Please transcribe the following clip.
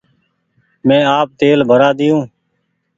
مينٚ آپ تيل ڀرآۮييو